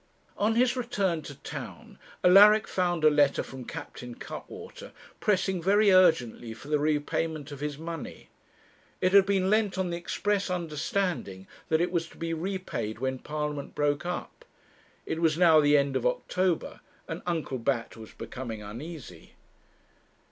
On his return to town Alaric found a letter from Captain Cuttwater, pressing very urgently for the repayment of his money. It had been lent on the express understanding that it was to be repaid when Parliament broke up. It was now the end of October, and Uncle Bat was becoming uneasy.